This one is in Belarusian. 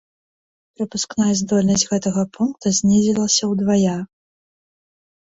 Прапускная здольнасць гэтага пункта знізілася ўдвая.